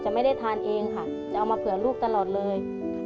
ไม่ได้ทานเองค่ะจะเอามาเผื่อลูกตลอดเลย